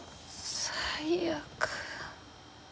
最悪。